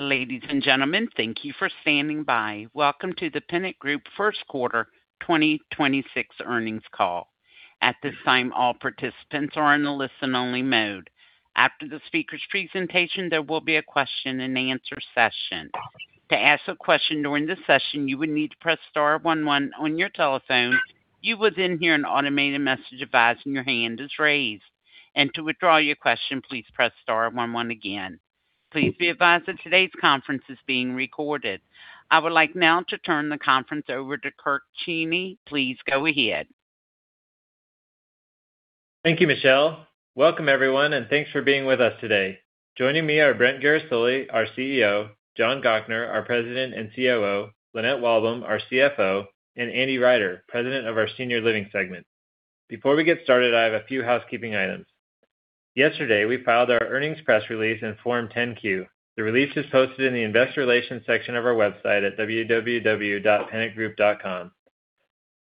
Ladies and gentlemen, thank you for standing by. Welcome to The Pennant Group first quarter 2026 earnings call. At this time, all participants are in a listen-only mode. After the speakers' presentation, there will be a question-and-answer session. To ask a question during the session, you would need to press star one-one on your telephone. You would then hear an automated message advising your hand is raised. To withdraw your question, please press star one-one again. Please be advised that today's conference is being recorded. I would like now to turn the conference over to Kirk Cheney. Please go ahead. Thank you, Michelle. Welcome, everyone, and thanks for being with us today. Joining me are Brent Guerisoli, our CEO, John Gochnour, our President and COO, Lynette Walbom, our CFO, and Andrew Ryder, President of our Senior Living segment. Before we get started, I have a few housekeeping items. Yesterday, we filed our earnings press release in Form 10-Q. The release is hosted in the investor relations section of our website at www.pennantgroup.com.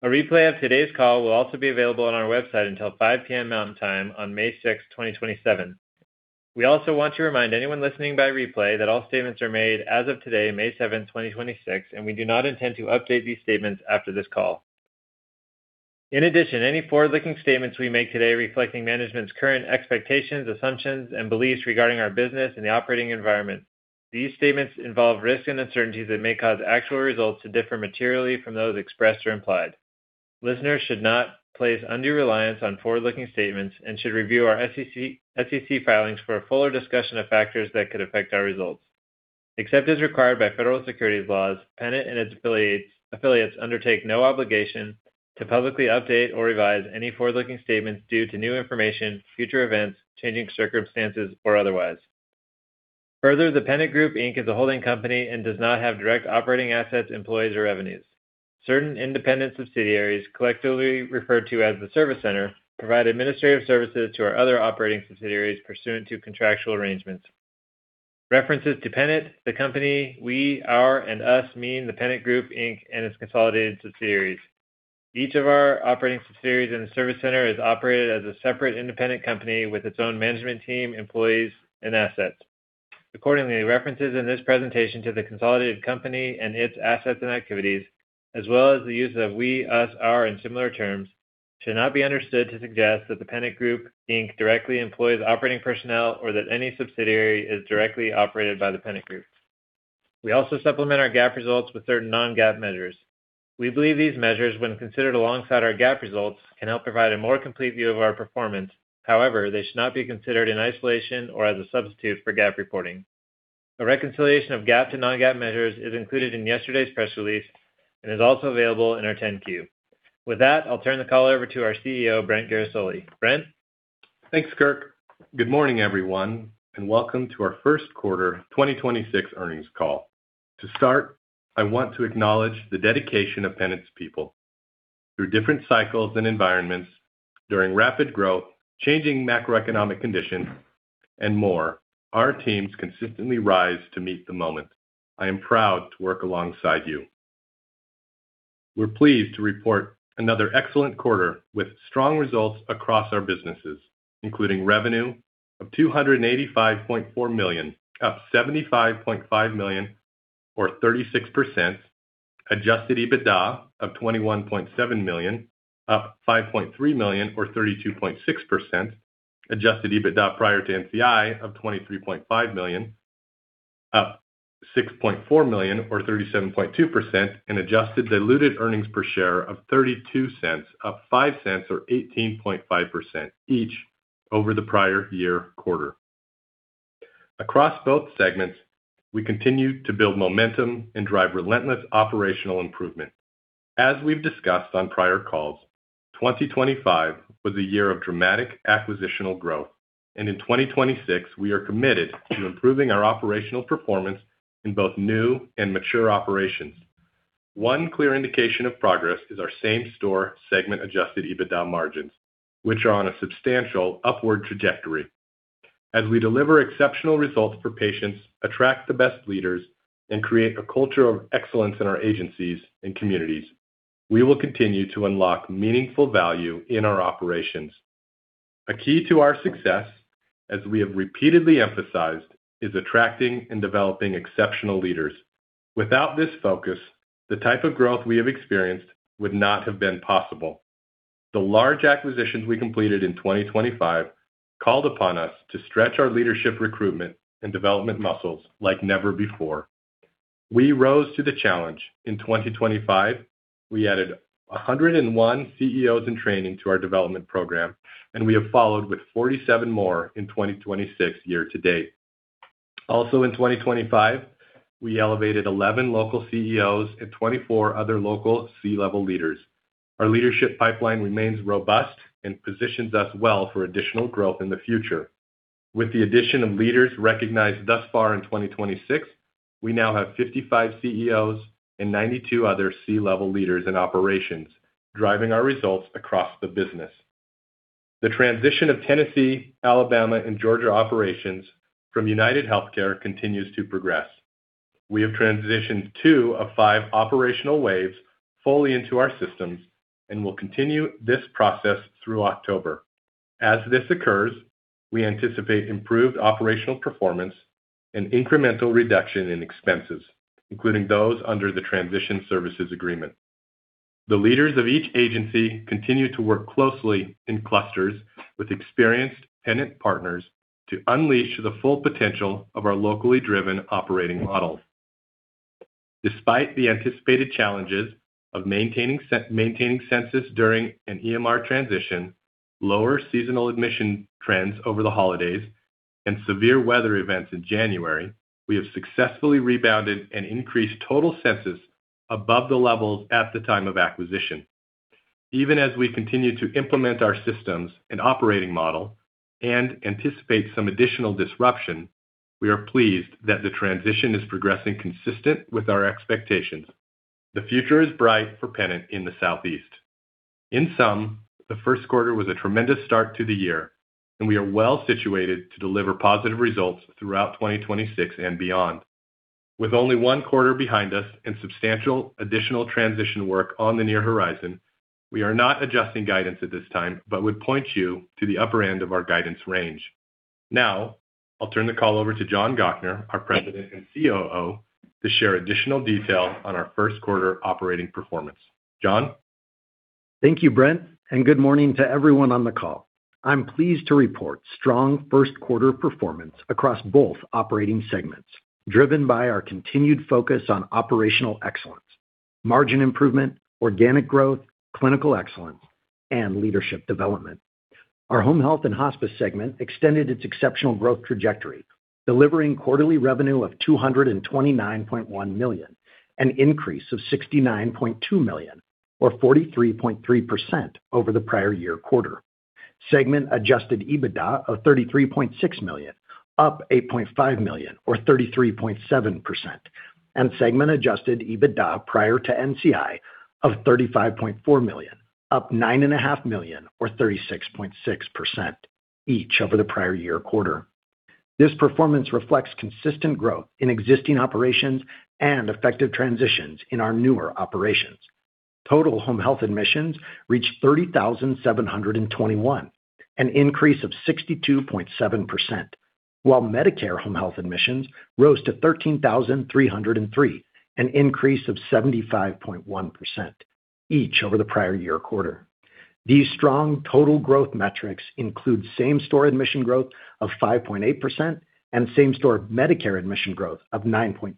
A replay of today's call will also be available on our website until 5:00 P.M. Mountain Time on May 6, 2027. We also want to remind anyone listening by replay that all statements are made as of today, May 7, 2026, and we do not intend to update these statements after this call. In addition, any forward-looking statements we make today reflecting management's current expectations, assumptions, and beliefs regarding our business and the operating environment, these statements involve risks and uncertainties that may cause actual results to differ materially from those expressed or implied. Listeners should not place undue reliance on forward-looking statements and should review our SEC filings for a fuller discussion of factors that could affect our results. Except as required by federal securities laws, Pennant and its affiliates undertake no obligation to publicly update or revise any forward-looking statements due to new information, future events, changing circumstances, or otherwise. The Pennant Group, Inc. is a holding company and does not have direct operating assets, employees, or revenues. Certain independent subsidiaries, collectively referred to as the Service Center, provide administrative services to our other operating subsidiaries pursuant to contractual arrangements. References to Pennant, the company, we, our, and us mean The Pennant Group Inc. and its consolidated subsidiaries. Each of our operating subsidiaries and the Service Center is operated as a separate independent company with its own management team, employees, and assets. Accordingly, references in this presentation to the consolidated company and its assets and activities, as well as the use of we, us, our, and similar terms should not be understood to suggest that The Pennant Group Inc. directly employs operating personnel or that any subsidiary is directly operated by The Pennant Group. We also supplement our GAAP results with certain non-GAAP measures. We believe these measures, when considered alongside our GAAP results, can help provide a more complete view of our performance. However, they should not be considered in isolation or as a substitute for GAAP reporting. A reconciliation of GAAP to non-GAAP measures is included in yesterday's press release and is also available in our 10-Q. With that, I'll turn the call over to our CEO, Brent Guerisoli. Brent? Thanks, Kirk. Good morning, everyone, and welcome to our first quarter 2026 earnings call. To start, I want to acknowledge the dedication of Pennant's people. Through different cycles and environments, during rapid growth, changing macroeconomic conditions, and more, our teams consistently rise to meet the moment. I am proud to work alongside you. We're pleased to report another excellent quarter with strong results across our businesses, including revenue of $285.4 million, up $75.5 million or 36%, adjusted EBITDA of $21.7 million, up $5.3 million or 32.6%, adjusted EBITDA prior to NCI of $23.5 million, up $6.4 million or 37.2%, and adjusted diluted earnings per share of $0.32, up $0.05 or 18.5% each over the prior year quarter. Across both segments, we continue to build momentum and drive relentless operational improvement. As we've discussed on prior calls, 2025 was a year of dramatic acquisitional growth, and in 2026, we are committed to improving our operational performance in both new and mature operations. One clear indication of progress is our same-store segment adjusted EBITDA margins, which are on a substantial upward trajectory. As we deliver exceptional results for patients, attract the best leaders, and create a culture of excellence in our agencies and communities, we will continue to unlock meaningful value in our operations. A key to our success, as we have repeatedly emphasized, is attracting and developing exceptional leaders. Without this focus, the type of growth we have experienced would not have been possible. The large acquisitions we completed in 2025 called upon us to stretch our leadership recruitment and development muscles like never before. We rose to the challenge. In 2025, we added 101 CEOs in training to our development program, and we have followed with 47 more in 2026 year-to-date. Also in 2025, we elevated 11 local CEOs and 24 other local C-level leaders. Our leadership pipeline remains robust and positions us well for additional growth in the future. With the addition of leaders recognized thus far in 2026, we now have 55 CEOs and 92 other C-level leaders in operations, driving our results across the business. The transition of Tennessee, Alabama, and Georgia operations from UnitedHealthcare continues to progress. We have transitioned two of five operational waves fully into our systems and will continue this process through October. As this occurs, we anticipate improved operational performance and incremental reduction in expenses, including those under the transition services agreement. The leaders of each agency continue to work closely in clusters with experienced Pennant partners to unleash the full potential of our locally driven operating models. Despite the anticipated challenges of maintaining census during an EMR transition, lower seasonal admission trends over the holidays, and severe weather events in January, we have successfully rebounded and increased total census above the levels at the time of acquisition. Even as we continue to implement our systems and operating model and anticipate some additional disruption, we are pleased that the transition is progressing consistent with our expectations. The future is bright for Pennant in the Southeast. In sum, the first quarter was a tremendous start to the year, and we are well situated to deliver positive results throughout 2026 and beyond. With only one quarter behind us and substantial additional transition work on the near horizon, we are not adjusting guidance at this time but would point you to the upper end of our guidance range. Now, I'll turn the call over to John Gochnour, our President and COO, to share additional detail on our first quarter operating performance. John? Thank you, Brent. Good morning to everyone on the call. I'm pleased to report strong first quarter performance across both operating segments, driven by our continued focus on operational excellence, margin improvement, organic growth, clinical excellence, and leadership development. Our Home Health and Hospice segment extended its exceptional growth trajectory, delivering quarterly revenue of $229.1 million, an increase of $69.2 million, or 43.3% over the prior year quarter. Segment adjusted EBITDA of $33.6 million, up $8.5 million, or 33.7%, and segment adjusted EBITDA prior to NCI of $35.4 million, up $9.5 million, or 36.6%, each over the prior year quarter. This performance reflects consistent growth in existing operations and effective transitions in our newer operations. Total Home Health admissions reached 30,721, an increase of 62.7%, while Medicare Home Health admissions rose to 13,303, an increase of 75.1%, each over the prior year quarter. These strong total growth metrics include same-store admission growth of 5.8% and same-store Medicare admission growth of 9.2%,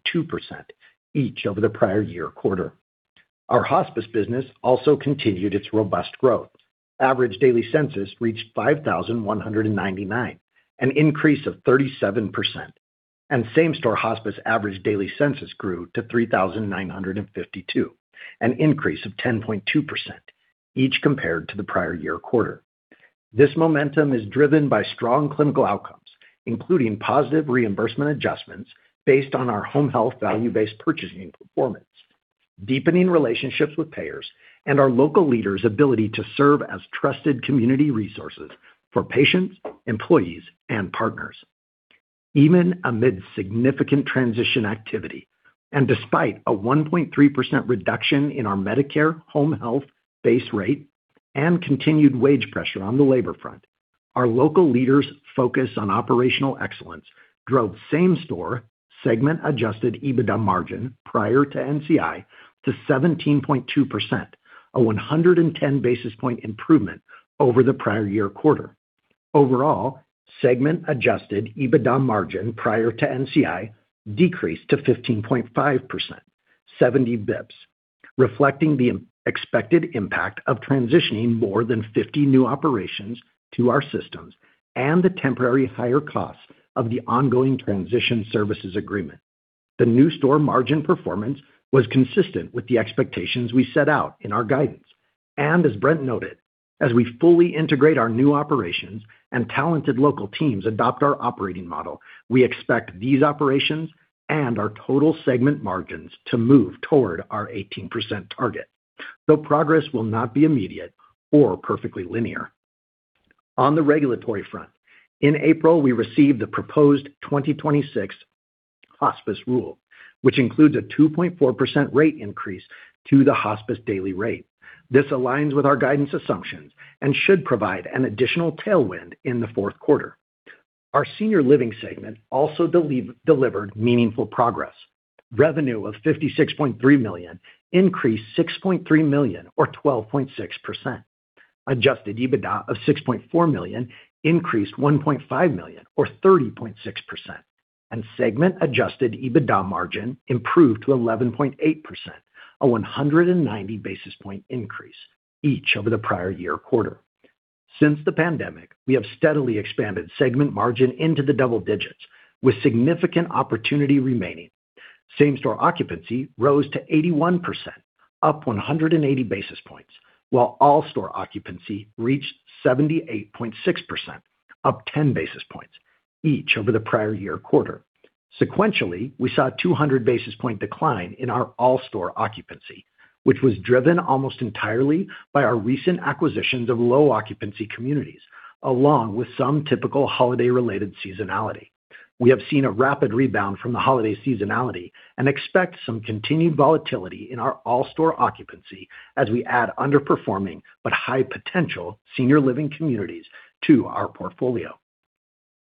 each over the prior year quarter. Our hospice business also continued its robust growth. Average daily census reached 5,199, an increase of 37%, and same-store hospice average daily census grew to 3,952, an increase of 10.2%, each compared to the prior year quarter. This momentum is driven by strong clinical outcomes, including positive reimbursement adjustments based on our Home Health Value-Based Purchasing performance, deepening relationships with payers, and our local leaders' ability to serve as trusted community resources for patients, employees, and partners. Even amid significant transition activity and despite a 1.3% reduction in our Medicare Home Health base rate and continued wage pressure on the labor front, our local leaders' focus on operational excellence drove same-store segment adjusted EBITDA margin prior to NCI to 17.2%, a 110 basis point improvement over the prior-year quarter. Overall, segment adjusted EBITDA margin prior to NCI decreased to 15.5%, 70 basis points, reflecting the expected impact of transitioning more than 50 new operations to our systems and the temporary higher costs of the ongoing Transition Services Agreement. The new store margin performance was consistent with the expectations we set out in our guidance. As Brent noted, as we fully integrate our new operations and talented local teams adopt our operating model, we expect these operations and our total segment margins to move toward our 18% target, though progress will not be immediate or perfectly linear. On the regulatory front, in April, we received the proposed 2026 hospice rule, which includes a 2.4% rate increase to the hospice daily rate. This aligns with our guidance assumptions and should provide an additional tailwind in the fourth quarter. Our Senior Living segment also delivered meaningful progress. Revenue of $56.3 million increased $6.3 million, or 12.6%. Adjusted EBITDA of $6.4 million increased $1.5 million, or 30.6%, and segment adjusted EBITDA margin improved to 11.8%, a 190 basis point increase, each over the prior year quarter. Since the pandemic, we have steadily expanded segment margin into the double digits, with significant opportunity remaining. Same-store occupancy rose to 81%, up 180 basis points, while all store occupancy reached 78.6%, up 10 basis points, each over the prior year quarter. Sequentially, we saw a 200 basis point decline in our all-store occupancy, which was driven almost entirely by our recent acquisitions of low occupancy communities, along with some typical holiday-related seasonality. We have seen a rapid rebound from the holiday seasonality and expect some continued volatility in our all store occupancy as we add underperforming, but high potential senior living communities to our portfolio.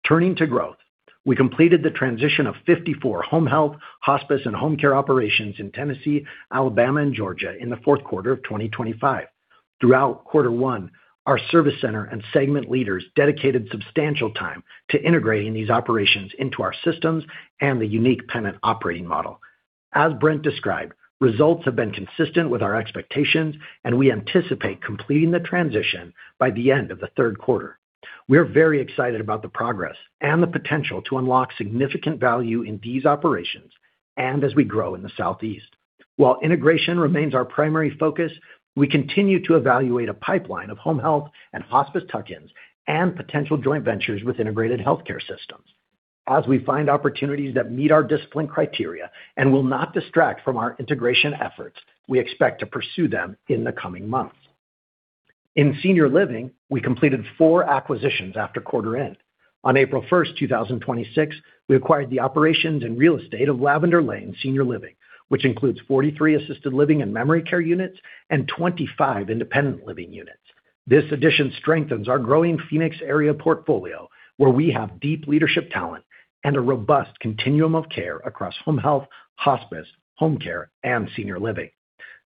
Turning to growth, we completed the transition of 54 Home Health, hospice, and home care operations in Tennessee, Alabama, and Georgia in the fourth quarter of 2025. Throughout quarter one, our Service Center and segment leaders dedicated substantial time to integrating these operations into our systems and the unique Pennant operating model. As Brent described, results have been consistent with our expectations, and we anticipate completing the transition by the end of the third quarter. We are very excited about the progress and the potential to unlock significant value in these operations and as we grow in the Southeast. While integration remains our primary focus, we continue to evaluate a pipeline of Home Health and hospice tuck-ins and potential joint ventures with integrated healthcare systems. As we find opportunities that meet our discipline criteria and will not distract from our integration efforts, we expect to pursue them in the coming months. In Senior Living, we completed four acquisitions after quarter end. On April 1st, 2026, we acquired the operations and real estate of Lavender Lane Senior Living, which includes 43 assisted living and memory care units and 25 independent living units. This addition strengthens our growing Phoenix area portfolio, where we have deep leadership talent and a robust continuum of care across Home Health, Hospice, Home Care, and Senior Living.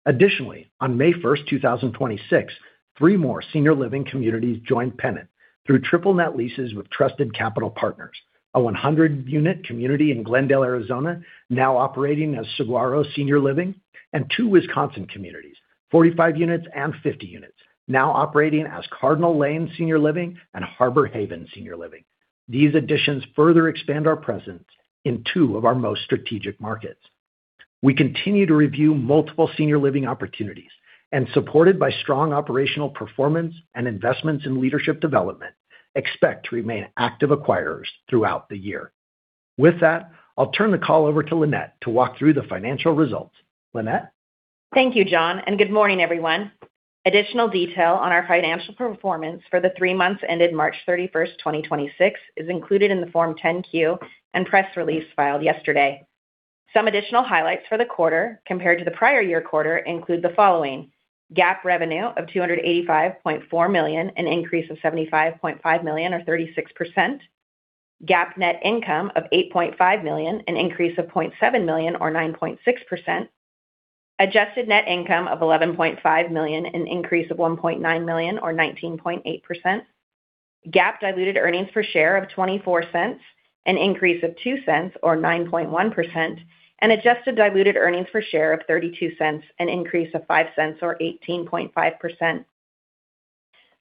Additionally, on May 1st, 2026, three more senior living communities joined Pennant through triple net leases with trusted capital partners. A 100-unit community in Glendale, Arizona, now operating as Saguaro Senior Living and two Wisconsin communities, 45 units and 50 units now operating as Cardinal Lane Senior Living and Harbor Haven Senior Living. These additions further expand our presence in two of our most strategic markets. We continue to review multiple senior living opportunities, and supported by strong operational performance and investments in leadership development, expect to remain active acquirers throughout the year. With that, I'll turn the call over to Lynette to walk through the financial results. Lynette. Thank you, John. Good morning, everyone. Additional detail on our financial performance for the three months ended March 31st, 2026 is included in the Form 10-Q and press release filed yesterday. Some additional highlights for the quarter compared to the prior year quarter include the following: GAAP revenue of $285.4 million, an increase of $75.5 million or 36%. GAAP net income of $8.5 million, an increase of $0.7 million or 9.6%. Adjusted net income of $11.5 million, an increase of $1.9 million or 19.8%. GAAP diluted earnings per share of $0.24, an increase of $0.02 or 9.1%. Adjusted diluted earnings per share of $0.32, an increase of $0.05 or 18.5%.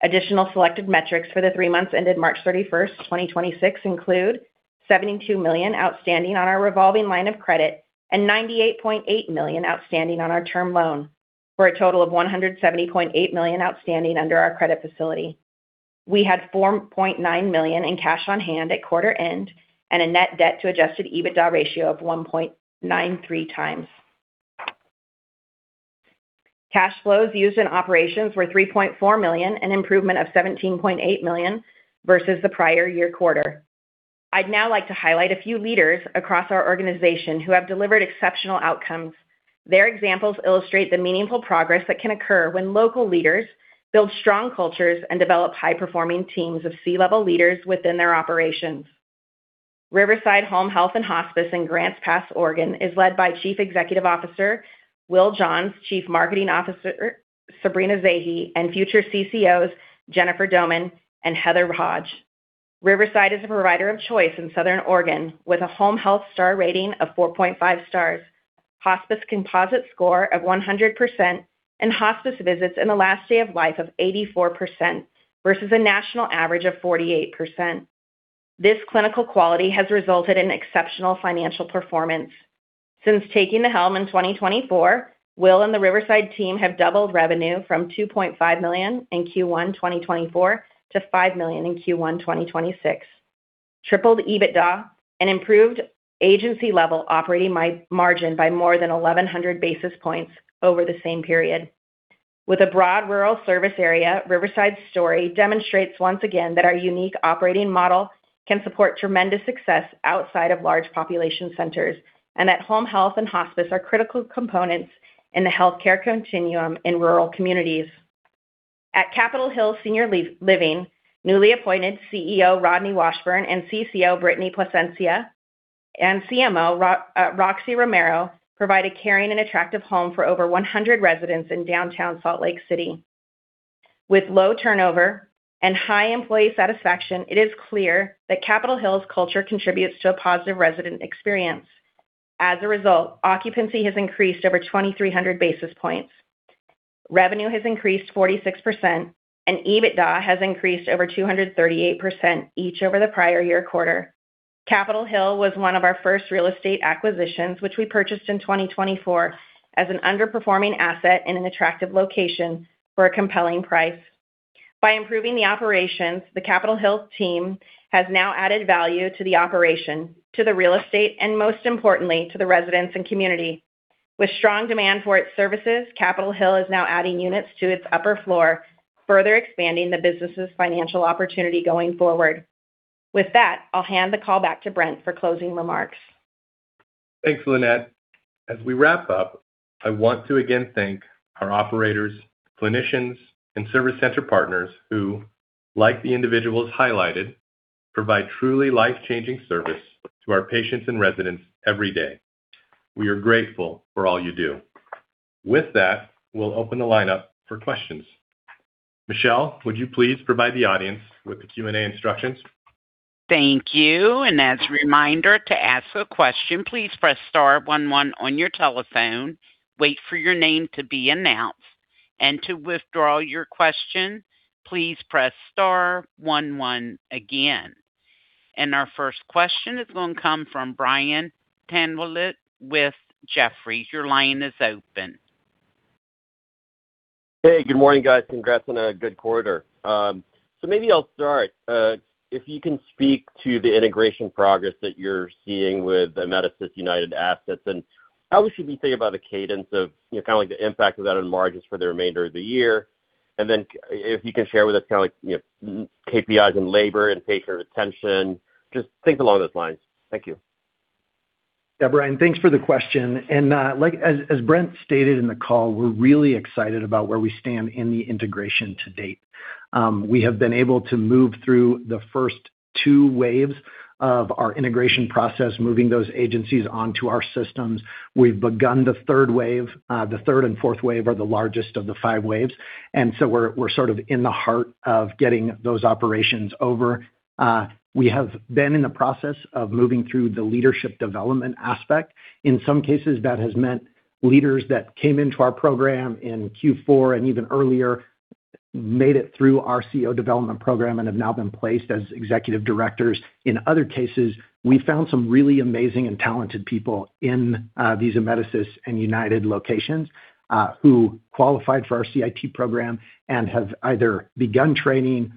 Additional selected metrics for the three months ended March 31st, 2026 include $72 million outstanding on our revolving line of credit and $98.8 million outstanding on our term loan, for a total of $178.8 million outstanding under our credit facility. We had $4.9 million in cash on hand at quarter end and a net debt to adjusted EBITDA ratio of 1.93x. Cash flows used in operations were $3.4 million, an improvement of $17.8 million versus the prior year quarter. I'd now like to highlight a few leaders across our organization who have delivered exceptional outcomes. Their examples illustrate the meaningful progress that can occur when local leaders build strong cultures and develop high-performing teams of C-level leaders within their operations. Riverside Home Health and Hospice in Grants Pass, Oregon, is led by Chief Executive Officer Will Johns, Chief Marketing Officer Sabrina Zehe, and future CCOs Jennifer Doman and Heather Hodge. Riverside is a provider of choice in Southern Oregon with a Home Health Star rating of 4.5 stars, hospice composite score of 100%, and hospice visits in the last day of life of 84% versus a national average of 48%. This clinical quality has resulted in exceptional financial performance. Since taking the helm in 2024, Will and the Riverside team have doubled revenue from $2.5 million in Q1 2024 to $5 million in Q1 2026, tripled EBITDA and improved agency-level operating margin by more than 1,100 basis points over the same period. With a broad rural service area, Riverside's story demonstrates once again that our unique operating model can support tremendous success outside of large population centers and that Home Health and hospice are critical components in the healthcare continuum in rural communities. At Capitol Hill Senior Living, newly appointed CEO Rodney Washburn and CCO Brittanee Plascencia and CMO Roxy Romero provide a caring and attractive home for over 100 residents in downtown Salt Lake City. With low turnover and high employee satisfaction, it is clear that Capitol Hill's culture contributes to a positive resident experience. As a result, occupancy has increased over 2,300 basis points. Revenue has increased 46%, EBITDA has increased over 238%, each over the prior year quarter. Capitol Hill was one of our first real estate acquisitions, which we purchased in 2024 as an underperforming asset in an attractive location for a compelling price. By improving the operations, the Capitol Hill team has now added value to the operation, to the real estate, and most importantly, to the residents and community. With strong demand for its services, Capitol Hill is now adding units to its upper floor, further expanding the business' financial opportunity going forward. With that, I'll hand the call back to Brent for closing remarks. Thanks, Lynette. As we wrap up, I want to again thank our operators, clinicians, and Service Center partners who, like the individuals highlighted, provide truly life-changing service to our patients and residents every day. We are grateful for all you do. With that, we'll open the lineup for questions. Michelle, would you please provide the audience with the Q&A instructions? Thank you. As a reminder, to ask a question, please press star one one on your telephone, wait for your name to be announced, and to withdraw your question, please press star one one again. Our first question is gonna come from Brian Tanquilut with Jefferies. Your line is open. Hey, good morning, guys. Congrats on a good quarter. Maybe I'll start. If you can speak to the integration progress that you're seeing with the Amedisys United assets, and how we should be thinking about the cadence of, you know, kinda like the impact of that on margins for the remainder of the year. If you can share with us kinda like, you know, KPIs in labor and patient retention, just think along those lines. Thank you. Yeah, Brian, thanks for the question. Like, as Brent stated in the call, we're really excited about where we stand in the integration to date. We have been able to move through the first two waves of our integration process, moving those agencies onto our systems. We've begun the third wave. The third and fourth wave are the largest of the five waves, and so we're sort of in the heart of getting those operations over. We have been in the process of moving through the leadership development aspect. In some cases, that has meant leaders that came into our program in Q4 and even earlier made it through our CEO development program and have now been placed as executive directors. In other cases, we found some really amazing and talented people in these Amedisys and United locations, who qualified for our CIT program and have either begun training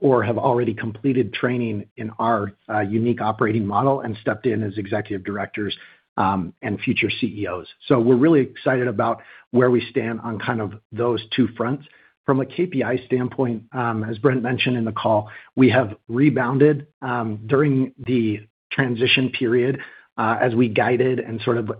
or have already completed training in our unique operating model and stepped in as executive directors and future CEOs. We're really excited about where we stand on kind of those two fronts. From a KPI standpoint, as Brent mentioned in the call, we have rebounded during the transition period, as we guided and sort of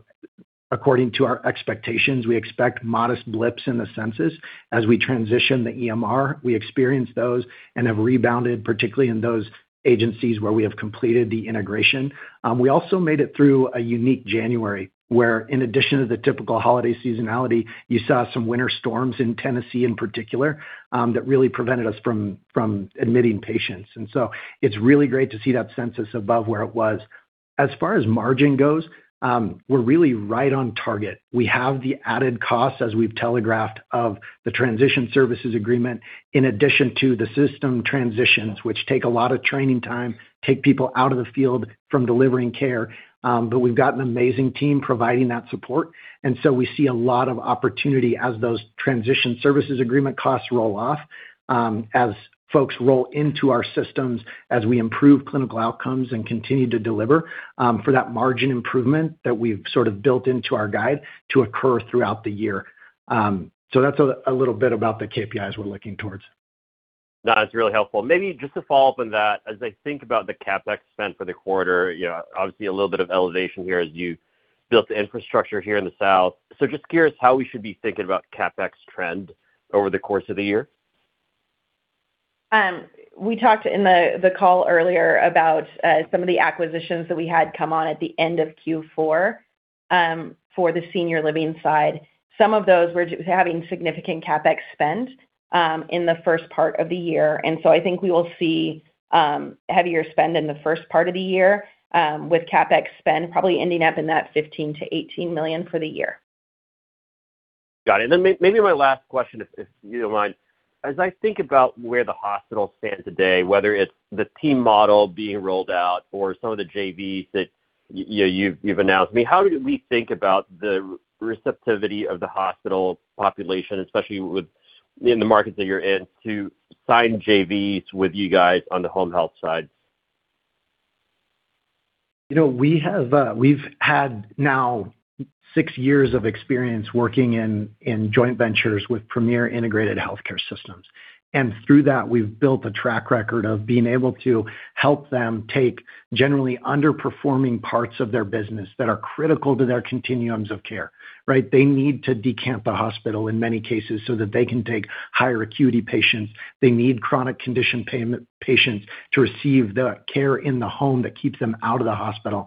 according to our expectations. We expect modest blips in the census as we transition the EMR. We experienced those and have rebounded, particularly in those agencies where we have completed the integration. We also made it through a unique January, where in addition to the typical holiday seasonality, you saw some winter storms in Tennessee in particular, that really prevented us from admitting patients. It's really great to see that census above where it was. As far as margin goes, we're really right on target. We have the added costs, as we've telegraphed, of the transition services agreement in addition to the system transitions, which take a lot of training time, take people out of the field from delivering care. We've got an amazing team providing that support. We see a lot of opportunity as those transition services agreement costs roll off, as folks roll into our systems, as we improve clinical outcomes and continue to deliver for that margin improvement that we've sort of built into our guide to occur throughout the year. That's a little bit about the KPIs we're looking towards. No, that's really helpful. Maybe just to follow up on that, as I think about the CapEx spend for the quarter, you know, obviously a little bit of elevation here as you built the infrastructure here in the South. Just curious how we should be thinking about CapEx trend over the course of the year. We talked in the call earlier about some of the acquisitions that we had come on at the end of Q4 for the Senior Living side. Some of those were having significant CapEx spend in the first part of the year. I think we will see heavier spend in the first part of the year with CapEx spend probably ending up in that $15 million-$18 million for the year. Got it. Maybe my last question, if you don't mind. As I think about where the hospital stands today, whether it's the team model being rolled out or some of the JVs that you've announced, I mean, how do we think about the receptivity of the hospital population, especially in the markets that you're in, to sign JVs with you guys on the Home Health side? You know, we have, we've had now six years of experience working in joint ventures with premier integrated healthcare systems. Through that, we've built a track record of being able to help them take generally underperforming parts of their business that are critical to their continuums of care, right? They need to decant the hospital in many cases so that they can take higher acuity patients. They need chronic condition payment patients to receive the care in the home that keeps them out of the hospital.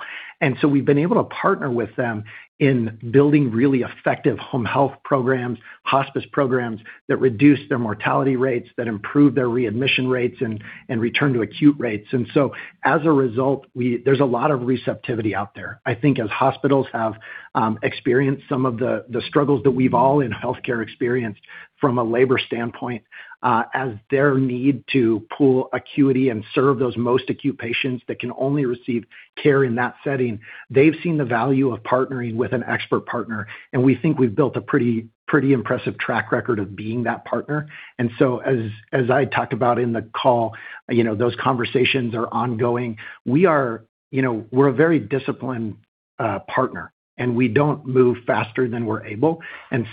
We've been able to partner with them in building really effective Home Health programs, hospice programs that reduce their mortality rates, that improve their readmission rates and return to acute rates. As a result, there's a lot of receptivity out there. I think as hospitals have experienced some of the struggles that we've all in healthcare experienced from a labor standpoint, as their need to pull acuity and serve those most acute patients that can only receive care in that setting, they've seen the value of partnering with an expert partner, and we think we've built a pretty impressive track record of being that partner. As I talked about in the call, you know, those conversations are ongoing. We are, you know, we're a very disciplined partner, and we don't move faster than we're able.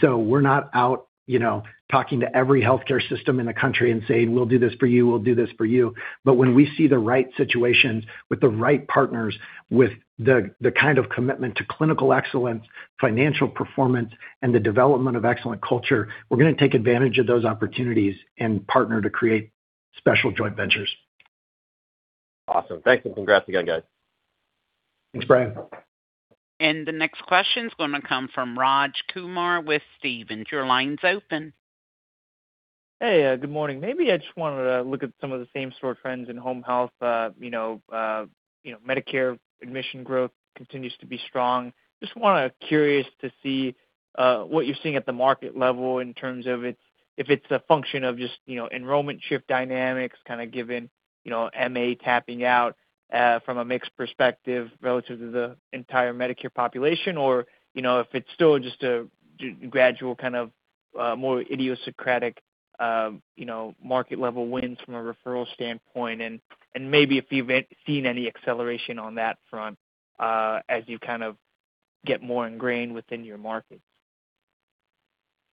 We're not out, you know, talking to every healthcare system in the country and saying, "We'll do this for you, we'll do this for you." When we see the right situation with the right partners, with the kind of commitment to clinical excellence, financial performance, and the development of excellent culture, we're gonna take advantage of those opportunities and partner to create special joint ventures. Awesome. Thanks, and congrats again, guys. Thanks, Brian. The next question's gonna come from Raj Kumar with Stephens. Your line's open. Good morning. Maybe I just wanted to look at some of the same-store trends in Home Health. You know, you know, Medicare admission growth continues to be strong. Just curious to see what you're seeing at the market level in terms of if it's a function of just, you know, enrollment shift dynamics, kinda given, you know, MA tapping out from a mix perspective relative to the entire Medicare population, or, you know, if it's still just a gradual kind of more idiosyncratic, you know, market level wins from a referral standpoint and maybe if you've seen any acceleration on that front as you kind of get more ingrained within your markets.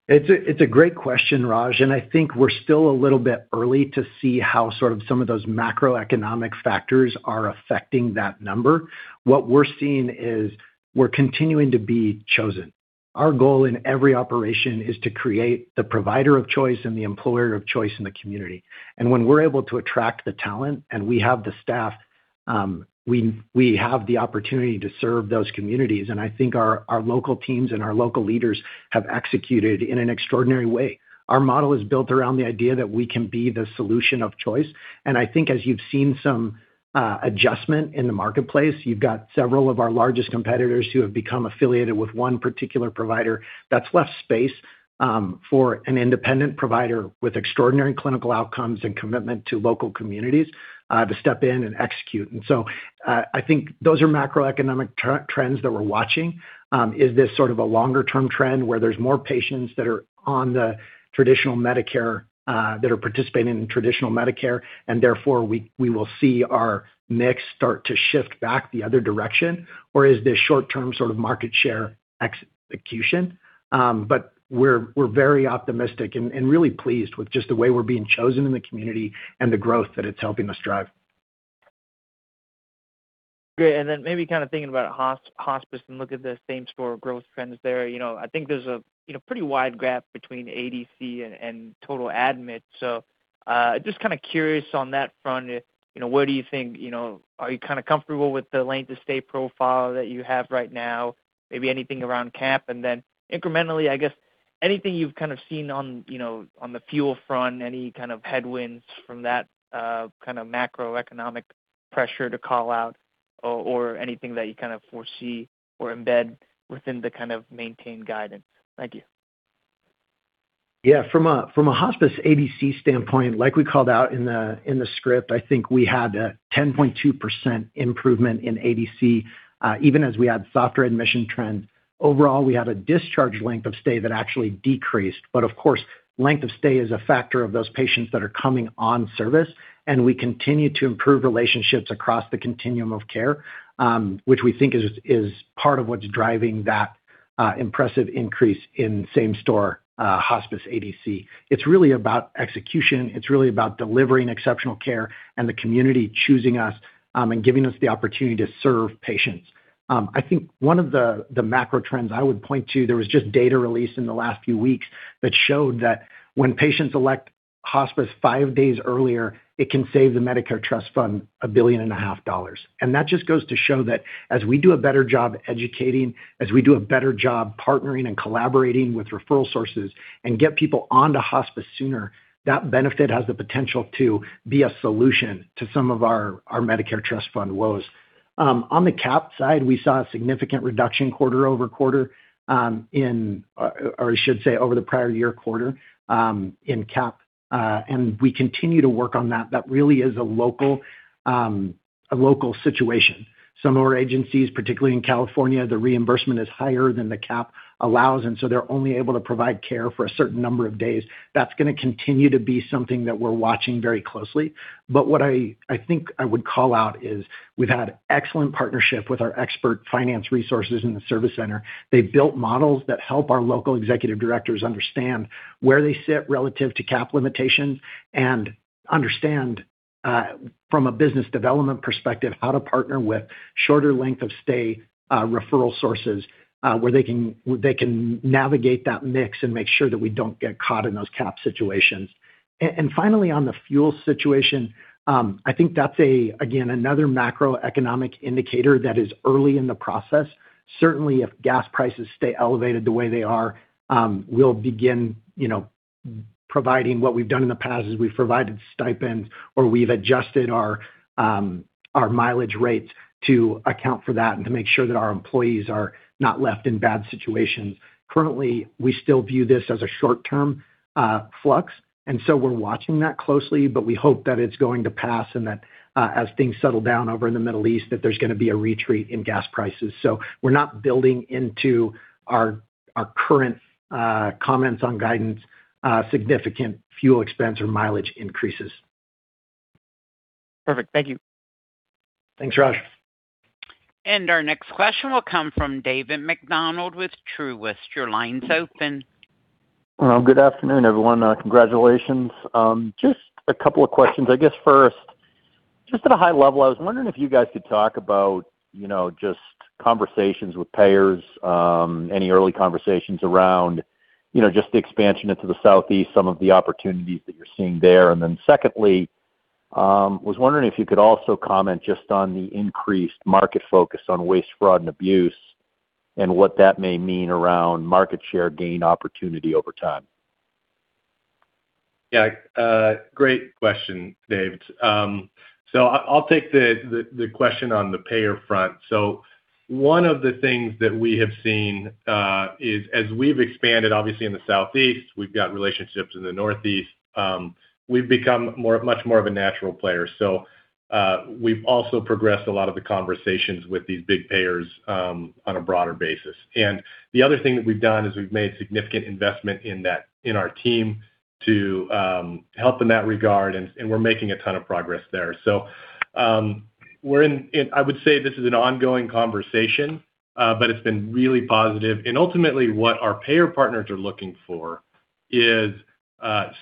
It's a great question, Raj. I think we're still a little bit early to see how sort of some of those macroeconomic factors are affecting that number. What we're seeing is we're continuing to be chosen. Our goal in every operation is to create the provider of choice and the employer of choice in the community. When we're able to attract the talent and we have the staff, we have the opportunity to serve those communities. I think our local teams and our local leaders have executed in an extraordinary way. Our model is built around the idea that we can be the solution of choice. I think as you've seen some adjustment in the marketplace, you've got several of our largest competitors who have become affiliated with one particular provider. That's left space for an independent provider with extraordinary clinical outcomes and commitment to local communities to step in and execute. I think those are macroeconomic trends that we're watching. Is this sort of a longer term trend where there's more patients that are on the traditional Medicare that are participating in traditional Medicare, and therefore, we will see our mix start to shift back the other direction? Is this short-term sort of market share execution? We're very optimistic and really pleased with just the way we're being chosen in the community and the growth that it's helping us drive. Great. Then maybe kinda thinking about Hospice and look at the same-store growth trends there. You know, I think there's a, you know, pretty wide gap between ADC and total admits. Just kinda curious on that front, you know, where do you think, you know, are you kinda comfortable with the length of stay profile that you have right now? Maybe anything around cap? Then incrementally, I guess anything you've kind of seen on, you know, on the fuel front, any kind of headwinds from that kind of macroeconomic pressure to call out or anything that you kind of foresee or embed within the kind of maintained guidance. Thank you. Yeah. From a hospice ADC standpoint, like we called out in the script, I think we had a 10.2% improvement in ADC, even as we had softer admission trends. Overall, we had a discharge length of stay that actually decreased. Of course, length of stay is a factor of those patients that are coming on-service, and we continue to improve relationships across the continuum of care, which we think is part of what's driving that impressive increase in same-store hospice ADC. It's really about execution. It's really about delivering exceptional care and the community choosing us and giving us the opportunity to serve patients. I think one of the macro trends I would point to, there was just data released in the last few weeks that showed that when patients elect hospice five days earlier, it can save the Medicare Trust Fund, $1.5 billion. That just goes to show that as we do a better job educating, as we do a better job partnering and collaborating with referral sources and get people onto hospice sooner, that benefit has the potential to be a solution to some of our Medicare Trust Fund woes. On the cap side, we saw a significant reduction quarter-over-quarter, in, or I should say over the prior year quarter, in cap, and we continue to work on that. That really is a local situation. Some of our agencies, particularly in California, the reimbursement is higher than the cap allows, and so they're only able to provide care for a certain number of days. That's gonna continue to be something that we're watching very closely. What I think I would call out is we've had excellent partnership with our expert finance resources in the Service Center. They've built models that help our local executive directors understand where they sit relative to cap limitations and understand from a business development perspective, how to partner with shorter length of stay referral sources, where they can navigate that mix and make sure that we don't get caught in those cap situations. Finally, on the fuel situation, I think that's again another macroeconomic indicator that is early in the process. Certainly, if gas prices stay elevated the way they are, we'll begin, you know, providing what we've done in the past, is we've provided stipends or we've adjusted our mileage rates to account for that and to make sure that our employees are not left in bad situations. Currently, we still view this as a short-term flux, and so we're watching that closely, but we hope that it's going to pass and that as things settle down over in the Middle East, that there's gonna be a retreat in gas prices. We're not building into our current comments on guidance, significant fuel expense or mileage increases. Perfect. Thank you. Thanks, Raj. Our next question will come from David MacDonald with Truist. Your line's open. Good afternoon, everyone. Congratulations. Just a couple of questions. I guess first, just at a high level, I was wondering if you guys could talk about, you know, just conversations with payers, any early conversations around, you know, just the expansion into the Southeast, some of the opportunities that you're seeing there. Secondly, was wondering if you could also comment just on the increased market focus on waste, fraud, and abuse and what that may mean around market share gain opportunity over time. Yeah, great question, Dave. I'll take the question on the payer front. One of the things that we have seen is as we've expanded, obviously, in the southeast, we've got relationships in the northeast, we've become much more of a natural player. We've also progressed a lot of the conversations with these big payers on a broader basis. The other thing that we've done is we've made significant investment in that, in our team to help in that regard, we're making a ton of progress there. We're in, I would say this is an ongoing conversation, but it's been really positive. Ultimately, what our payer partners are looking for is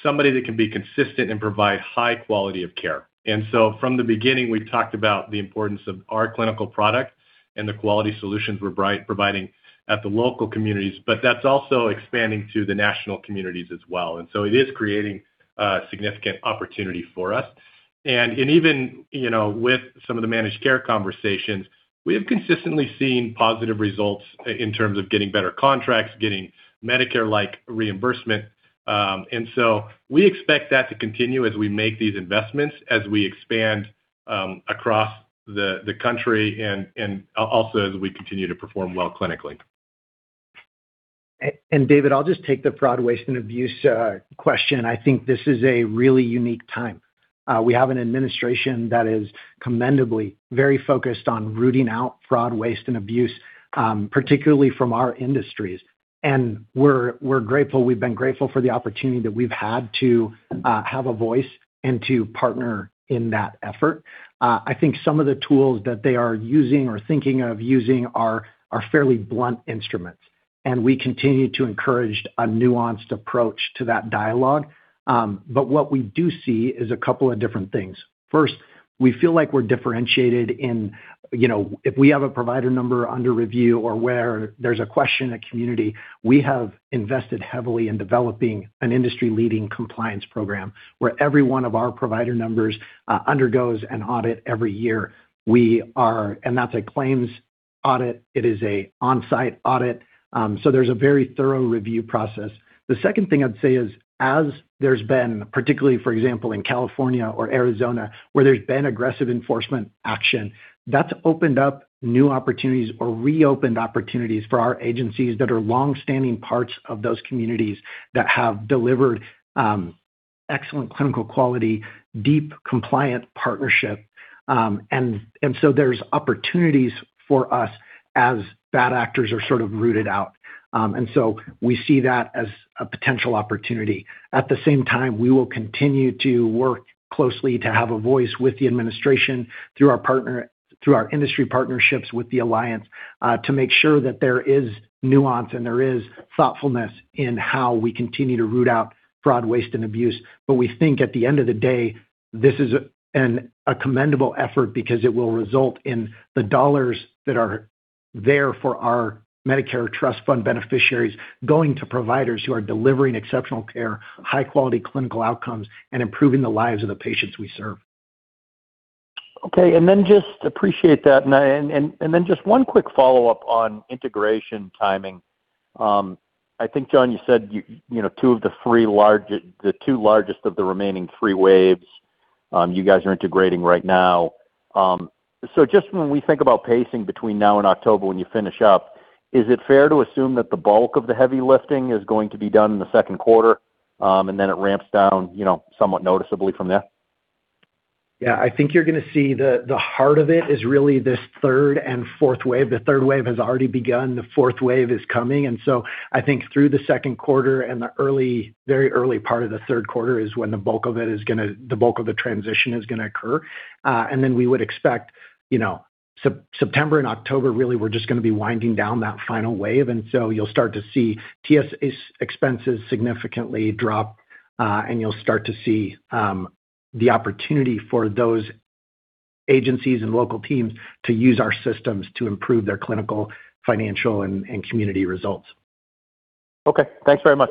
somebody that can be consistent and provide high quality of care. From the beginning, we talked about the importance of our clinical product and the quality solutions we're providing at the local communities, but that's also expanding to the national communities as well. It is creating a significant opportunity for us. Even, you know, with some of the managed care conversations, we have consistently seen positive results in terms of getting better contracts, getting Medicare-like reimbursement. We expect that to continue as we make these investments, as we expand across the country and also as we continue to perform well clinically. David, I'll just take the fraud, waste, and abuse question. I think this is a really unique time. We have an administration that is commendably very focused on rooting out fraud, waste, and abuse, particularly from our industries. We've been grateful for the opportunity that we've had to have a voice and to partner in that effort. I think some of the tools that they are using or thinking of using are fairly blunt instruments, and we continue to encourage a nuanced approach to that dialogue. What we do see is a couple of different things. First, we feel like we're differentiated in, you know, if we have a provider number under review or where there's a question in a community, we have invested heavily in developing an industry-leading compliance program where every one of our provider numbers undergoes an audit every year. That's a claims audit. It is an on-site audit. There's a very thorough review process. The second thing I'd say is as there's been, particularly, for example, in California or Arizona, where there's been aggressive enforcement action, that's opened up new opportunities or reopened opportunities for our agencies that are longstanding parts of those communities that have delivered excellent clinical quality, deep compliant partnership. There's opportunities for us as bad actors are sort of rooted out. We see that as a potential opportunity. At the same time, we will continue to work closely to have a voice with the administration through our partner, through our industry partnerships with the alliance, to make sure that there is nuance and there is thoughtfulness in how we continue to root out fraud, waste, and abuse. We think at the end of the day, this is an, a commendable effort because it will result in the dollars that are there for our Medicare Trust Fund beneficiaries going to providers who are delivering exceptional care, high quality clinical outcomes, and improving the lives of the patients we serve. Okay. Just, appreciate that. Just one quick follow-up on integration timing. I think, John, you said two of the three large, the two largest of the remaining three waves, you guys are integrating right now. Just when we think about pacing between now and October when you finish up, is it fair to assume that the bulk of the heavy lifting is going to be done in the second quarter, and then it ramps down somewhat noticeably from there? Yeah. I think you're gonna see the heart of it is really this third and fourth wave. The third wave has already begun. The fourth wave is coming. I think through the second quarter and the early, very early part of the third quarter is when the bulk of the transition is gonna occur. We would expect, you know, September and October, really, we're just gonna be winding down that final wave. You'll start to see expenses significantly drop, and you'll start to see the opportunity for those agencies and local teams to use our systems to improve their clinical, financial, and community results. Okay. Thanks very much.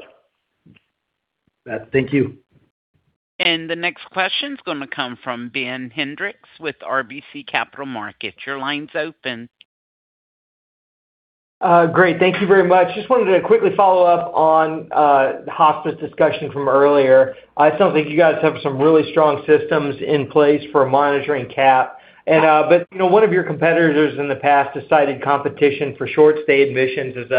Thank you. The next question's gonna come from Ben Hendrix with RBC Capital Markets. Your line's open. Great. Thank you very much. Just wanted to quickly follow up on the hospice discussion from earlier. I still think you guys have some really strong systems in place for monitoring cap. You know, one of your competitors in the past cited competition for short stay admissions as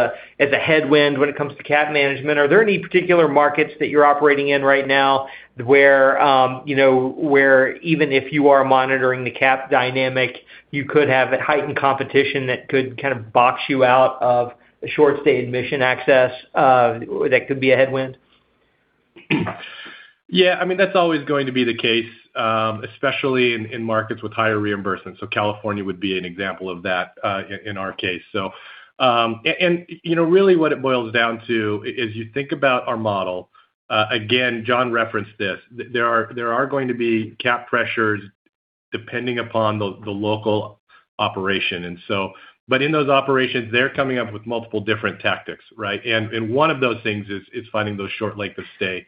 a headwind when it comes to cap management. Are there any particular markets that you're operating in right now where, you know, where even if you are monitoring the cap dynamic, you could have a heightened competition that could kind of box you out of short stay admission access that could be a headwind? Yeah, I mean, that's always going to be the case, especially in markets with higher reimbursement. California would be an example of that, in our case. And, you know, really what it boils down to is you think about our model, again, John referenced this, there are going to be cap pressures depending upon the local operation. In those operations, they're coming up with multiple different tactics, right? And one of those things is finding those short length of stay.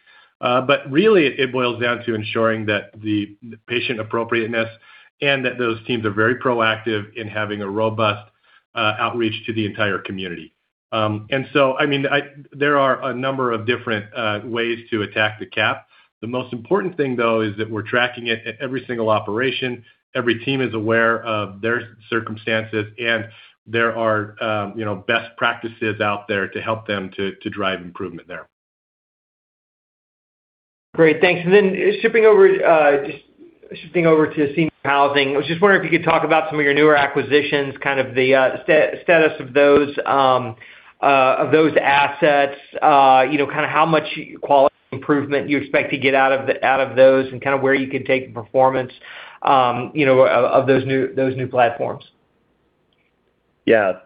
Really it boils down to ensuring that the patient appropriateness and that those teams are very proactive in having a robust outreach to the entire community. I mean, there are a number of different ways to attack the cap. The most important thing, though, is that we're tracking it at every single operation. Every team is aware of their circumstances, and there are, you know, best practices out there to help them to drive improvement there. Great. Thanks. Then just shifting over to senior housing. I was just wondering if you could talk about some of your newer acquisitions, kind of the status of those assets, you know, kind of how much quality improvement you expect to get out of those and kind of where you could take the performance, you know, of those new platforms. Yeah.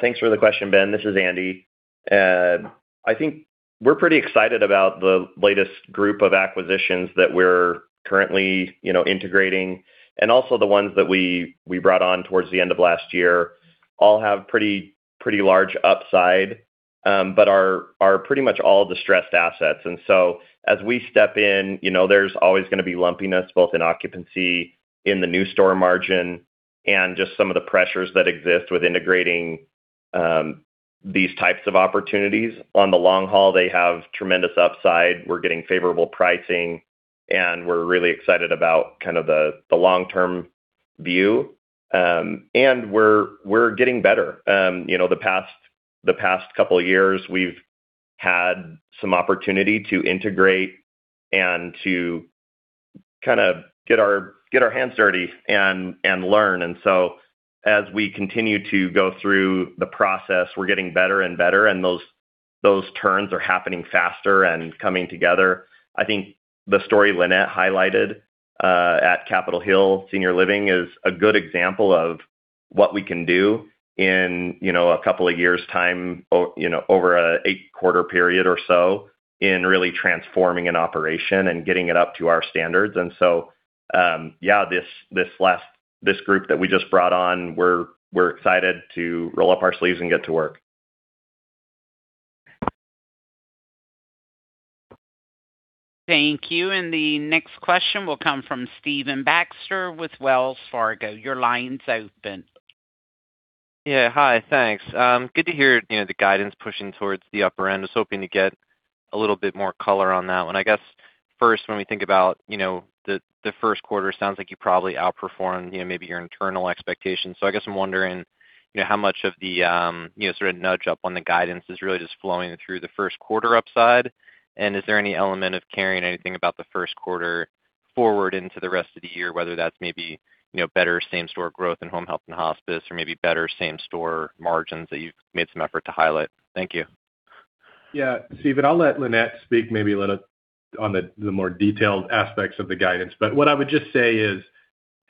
Thanks for the question, Ben. This is Andy. I think we're pretty excited about the latest group of acquisitions that we're currently, you know, integrating and also the ones that we brought on towards the end of last year, all have pretty large upside, but are pretty much all distressed assets. So as we step in, you know, there's always gonna be lumpiness, both in occupancy in the new store margin and just some of the pressures that exist with integrating, these types of opportunities. On the long haul, they have tremendous upside. We're getting favorable pricing, and we're really excited about kind of the long-term view. We're, we're getting better. You know, the past couple of years, we've had some opportunity to integrate and to kind of get our hands dirty and learn. As we continue to go through the process, we're getting better and better, and those turns are happening faster and coming together. I think the story Lynette highlighted at Capitol Hill Senior Living is a good example of what we can do in, you know, a couple of years' time over an eight-quarter period or so in really transforming an operation and getting it up to our standards. Yeah, this group that we just brought on, we're excited to roll up our sleeves and get to work. Thank you. The next question will come from Stephen Baxter with Wells Fargo. Your line's open. Yeah. Hi, thanks. Good to hear, you know, the guidance pushing towards the upper end. I was hoping to get a little bit more color on that one. I guess first, when we think about, you know, the first quarter, sounds like you probably outperformed, you know, maybe your internal expectations. I guess I'm wondering, you know, how much of the, you know, sort of nudge up on the guidance is really just flowing through the first quarter upside? Is there any element of carrying anything about the first quarter forward into the rest of the year, whether that's maybe, you know, better same-store growth in Home Health and hospice or maybe better same-store margins that you've made some effort to highlight? Thank you. Stephen, I'll let Lynette speak maybe a little on the more detailed aspects of the guidance. What I would just say is,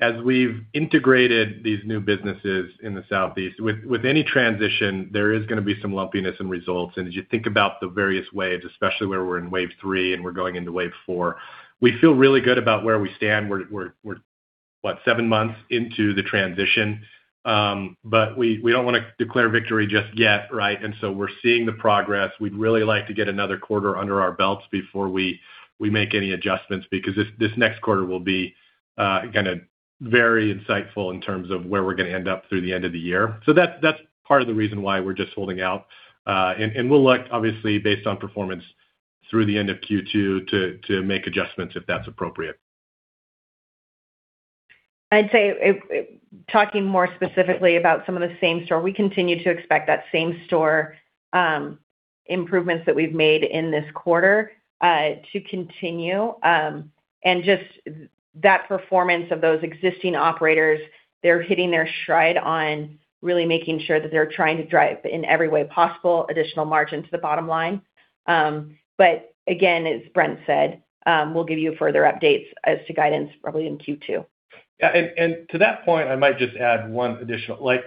as we've integrated these new businesses in the Southeast, with any transition, there is gonna be some lumpiness in results. As you think about the various waves, especially where we're in wave 3 and we're going into wave 4, we feel really good about where we stand. We're what, seven months into the transition. We don't wanna declare victory just yet, right? We're seeing the progress. We'd really like to get another quarter under our belts before we make any adjustments because this next quarter will be kinda very insightful in terms of where we're gonna end up through the end of the year. That's part of the reason why we're just holding out. We'll look obviously based on performance through the end of Q2 to make adjustments if that's appropriate. I'd say, talking more specifically about some of the same-store, we continue to expect that same-store improvements that we've made in this quarter to continue. Just that performance of those existing operators, they're hitting their stride on really making sure that they're trying to drive in every way possible additional margin to the bottom line. Again, as Brent said, we'll give you further updates as to guidance probably in Q2. Yeah. To that point, I might just add one additional. Like,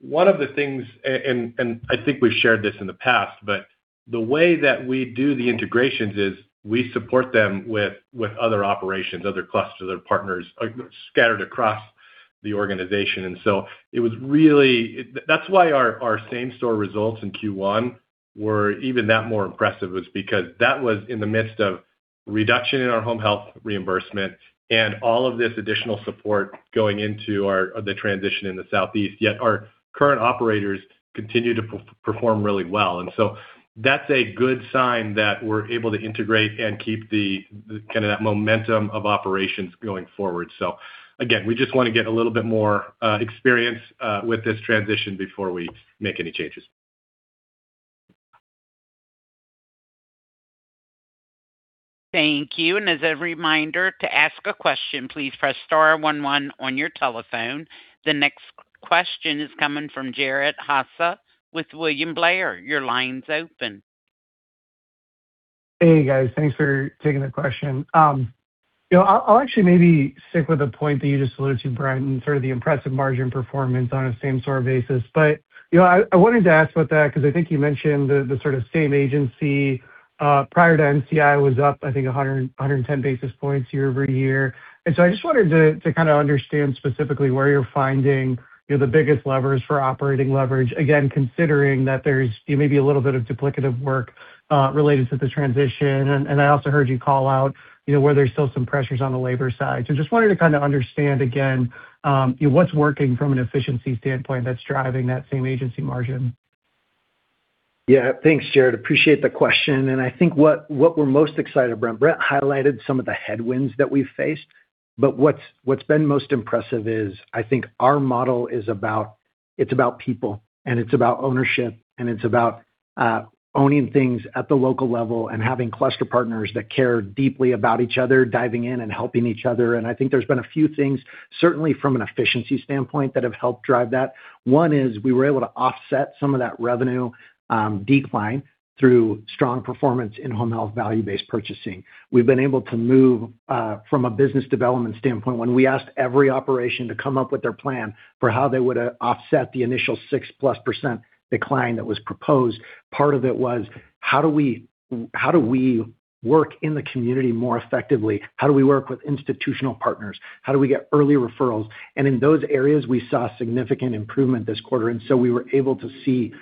one of the things, and I think we've shared this in the past, but the way that we do the integrations is we support them with other operations, other clusters, other partners scattered across the organization. It was really, That's why our same-store results in Q1 were even that more impressive was because that was in the midst of reduction in our Home Health reimbursement and all of this additional support going into our the transition in the Southeast, yet our current operators continue to perform really well. That's a good sign that we're able to integrate and keep the kinda that momentum of operations going forward. Again, we just wanna get a little bit more experience with this transition before we make any changes. Thank you. As a reminder, to ask a question, please press star one-one on your telephone. The next question is coming from Jared Haase with William Blair. Your line's open. Hey, guys. Thanks for taking the question. you know, I'll actually maybe stick with the point that you just alluded to, Brent, and sort of the impressive margin performance on a same-store basis. you know, I wanted to ask about that because I think you mentioned the sort of same agency prior to NCI was up, I think, 110 basis points year-over-year. I just wanted to kinda understand specifically where you're finding, you know, the biggest levers for operating leverage, again, considering that there's maybe a little bit of duplicative work related to the transition. I also heard you call out, you know, where there's still some pressures on the labor side. Just wanted to kinda understand again, you know, what's working from an efficiency standpoint that's driving that same agency margin. Yeah. Thanks, Jared. Appreciate the question. I think what we're most excited about, Brent highlighted some of the headwinds that we faced, what's been most impressive is I think our model is about, it's about people, and it's about ownership, and it's about owning things at the local level and having cluster partners that care deeply about each other, diving in and helping each other. I think there's been a few things, certainly from an efficiency standpoint, that have helped drive that. One is we were able to offset some of that revenue decline through strong performance in Home Health Value-Based Purchasing. We've been able to move from a business development standpoint. When we asked every operation to come up with their plan for how they would offset the initial 6%+ decline that was proposed, part of it was how do we work in the community more effectively? How do we work with institutional partners? How do we get early referrals? In those areas, we saw significant improvement this quarter, we were able to see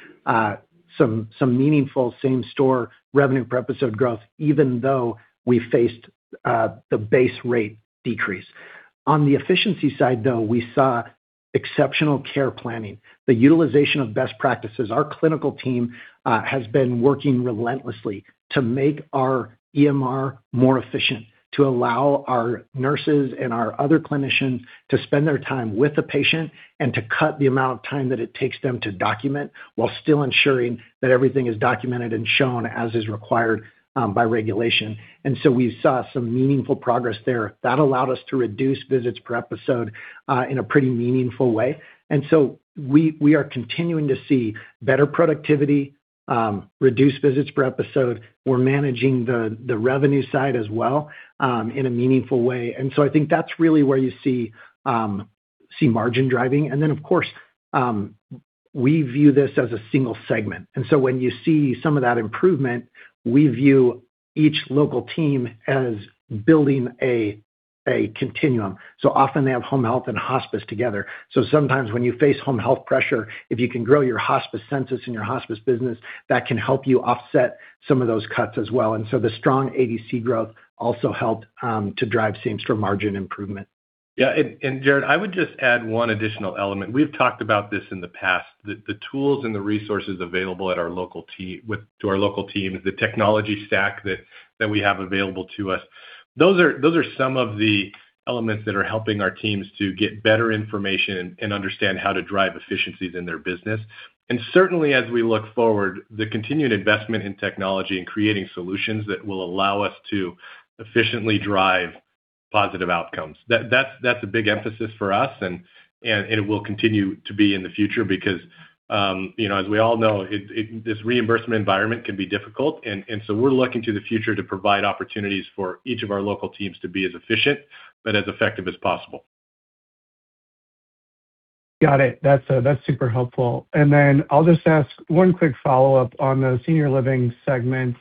some meaningful same-store revenue per episode growth, even though we faced the base rate decrease. On the efficiency side, though, we saw exceptional care planning, the utilization of best practices. Our clinical team has been working relentlessly to make our EMR more efficient, to allow our nurses and our other clinicians to spend their time with the patient and to cut the amount of time that it takes them to document while still ensuring that everything is documented and shown as is required by regulation. We saw some meaningful progress there. That allowed us to reduce visits per episode in a pretty meaningful way. We are continuing to see better productivity, reduced visits per episode. We're managing the revenue side as well in a meaningful way. I think that's really where you see see margin driving. Of course, we view this as a single segment. When you see some of that improvement, we view each local team as building a continuum. Often they have Home Health and hospice together. Sometimes when you face Home Health pressure, if you can grow your hospice census and your hospice business, that can help you offset some of those cuts as well. The strong ADC growth also helped to drive same-store margin improvement. Jared, I would just add one additional element. We've talked about this in the past, the tools and the resources available to our local teams, the technology stack that we have available to us. Those are some of the elements that are helping our teams to get better information and understand how to drive efficiencies in their business. Certainly as we look forward, the continued investment in technology and creating solutions that will allow us to efficiently drive positive outcomes. That's a big emphasis for us and it will continue to be in the future because, you know, as we all know, this reimbursement environment can be difficult. We're looking to the future to provide opportunities for each of our local teams to be as efficient but as effective as possible. Got it. That's super helpful. I'll just ask one quick follow-up on the Senior Living segment.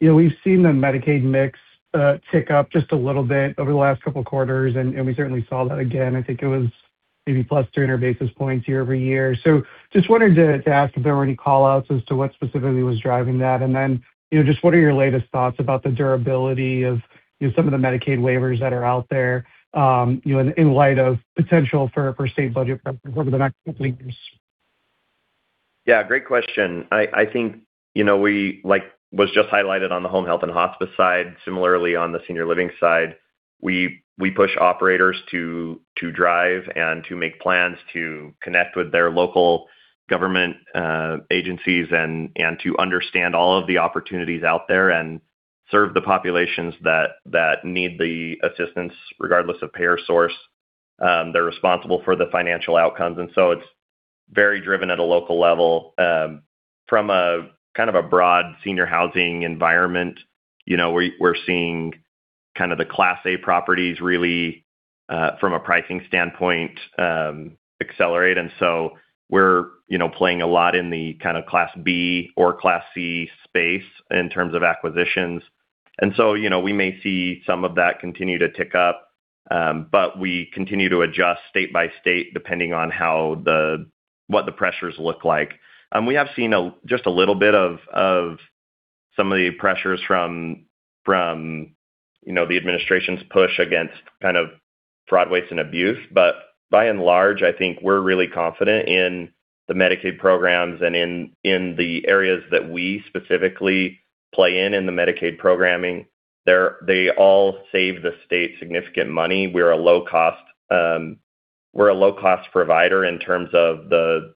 You know, we've seen the Medicaid mix tick up just a little bit over the last couple of quarters, and we certainly saw that again. I think it was maybe +300 basis points year-over-year. Just wanted to ask if there were any call-outs as to what specifically was driving that. You know, just what are your latest thoughts about the durability of, you know, some of the Medicaid waivers that are out there, you know, in light of potential for state budget cuts over the next couple of years? Yeah, great question. I think, you know, we like was just highlighted on the Home Health and hospice side. Similarly, on the Senior Living side, we push operators to drive and to make plans to connect with their local government agencies and to understand all of the opportunities out there and serve the populations that need the assistance, regardless of payer source. They're responsible for the financial outcomes. It's very driven at a local level. From a kind of a broad senior housing environment, you know, we're seeing kind of the Class A properties really from a pricing standpoint accelerate. We're, you know, playing a lot in the kind of Class B or Class C space in terms of acquisitions. You know, we may see some of that continue to tick up, but we continue to adjust state by state depending on what the pressures look like. We have seen a just a little bit of some of the pressures from, you know, the administration's push against kind of fraud, waste, and abuse. By and large, I think we're really confident in the Medicaid programs and in the areas that we specifically play in the Medicaid programming. They all save the State significant money. We're a low cost, we're a low cost provider in terms of the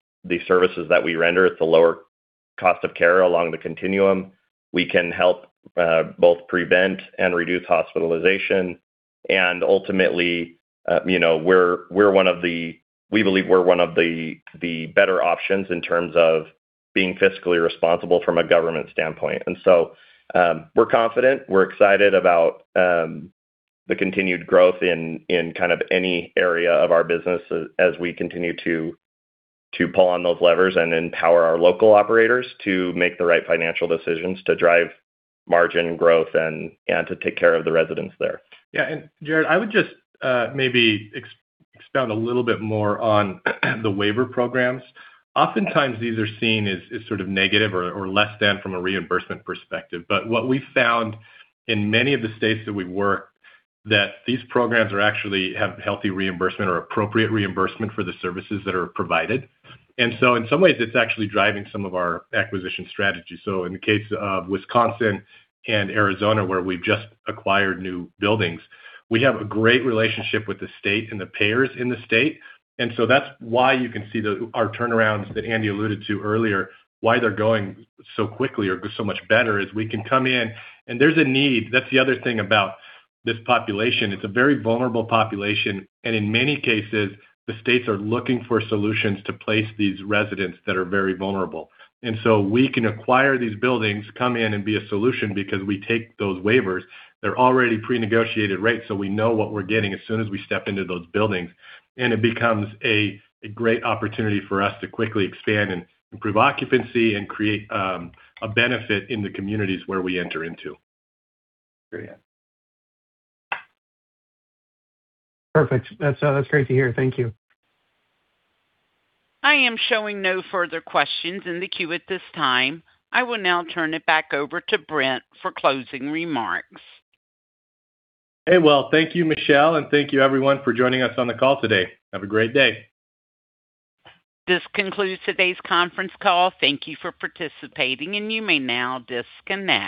services that we render. It's a lower cost of care along the continuum. We can help both prevent and reduce hospitalization. Ultimately, you know, we believe we're one of the better options in terms of being fiscally responsible from a government standpoint. We're confident, we're excited about the continued growth in kind of any area of our business as we continue to pull on those levers and empower our local operators to make the right financial decisions to drive margin growth and to take care of the residents there. Jared, I would just expound a little bit more on the waiver programs. Oftentimes, these are seen as sort of negative or less than from a reimbursement perspective. What we found in many of the states that we work, that these programs are actually have healthy reimbursement or appropriate reimbursement for the services that are provided. In some ways, it's actually driving some of our acquisition strategy. In the case of Wisconsin and Arizona, where we've just acquired new buildings, we have a great relationship with the State and the payers in the state. That's why you can see our turnarounds that Andy alluded to earlier, why they're going so quickly or so much better, is we can come in. There's a need. That's the other thing about this population. It's a very vulnerable population. In many cases, the states are looking for solutions to place these residents that are very vulnerable. We can acquire these buildings, come in and be a solution because we take those waivers. They're already pre-negotiated rates. We know what we're getting as soon as we step into those buildings. It becomes a great opportunity for us to quickly expand and improve occupancy and create a benefit in the communities where we enter into. Perfect. That's, that's great to hear. Thank you. I am showing no further questions in the queue at this time. I will now turn it back over to Brent for closing remarks. Hey. Well, thank you, Michelle, and thank you everyone for joining us on the call today. Have a great day. This concludes today's conference call. Thank you for participating, and you may now disconnect.